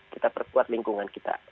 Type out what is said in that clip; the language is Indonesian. kita perkuat lingkungan kita